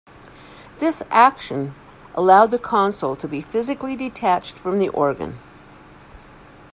This action allowed the console to be physically detached from the organ.